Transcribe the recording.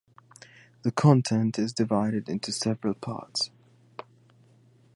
The content is divided into several parts.